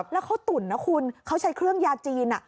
แล้วเขาตุ๋นนะคุณเขาใช้เครื่องยาจีน